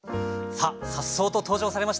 さあさっそうと登場されました。